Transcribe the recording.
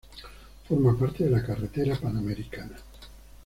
Forma parte de la Carretera panamericana.